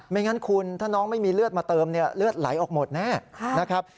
งั้นคุณถ้าน้องไม่มีเลือดมาเติมเนี่ยเลือดไหลออกหมดแน่นะครับ